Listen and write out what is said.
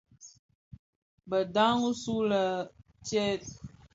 Bë ndhaň usu lè stè ?